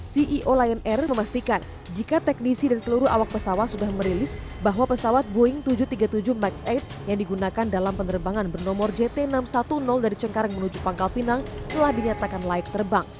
ceo lion air memastikan jika teknisi dan seluruh awak pesawat sudah merilis bahwa pesawat boeing tujuh ratus tiga puluh tujuh max delapan yang digunakan dalam penerbangan bernomor jt enam ratus sepuluh dari cengkareng menuju pangkal pinang telah dinyatakan layak terbang